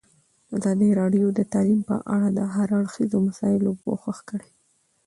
ازادي راډیو د تعلیم په اړه د هر اړخیزو مسایلو پوښښ کړی.